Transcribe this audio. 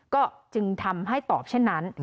ก็จึงทำให้ตอบเช่นนั้น